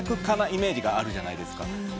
家なイメージがあるじゃないですか。